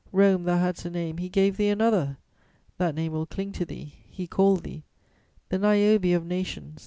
Rome, thou hadst a name, he gave thee another; that name will cling to thee; he called thee: "The Niobe of nations!